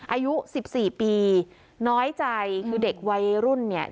อายุสิบสี่ปีน้อยใจคือเด็กวัยรุ่นเนี่ย